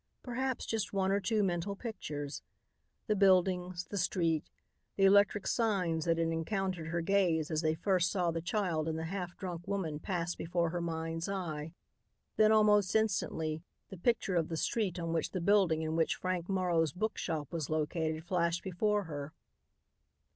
Perhaps just one or two mental pictures. The buildings, the street, the electric signs that had encountered her gaze as they first saw the child and the half drunk woman passed before her mind's eye. Then, almost instantly, the picture of the street on which the building in which Frank Morrow's book shop was located flashed before her.